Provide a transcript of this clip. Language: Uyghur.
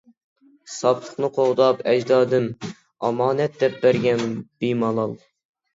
ساپ لىقىنى قوغداپ ئەجدادىم، ئامانەت دەپ بەرگەن بىمالال.